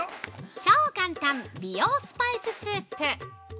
超簡単・美容スパイススープ！